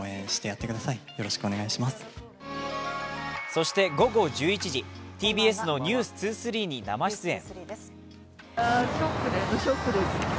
そして午後１１時、ＴＢＳの「ｎｅｗｓ２３」に生出演。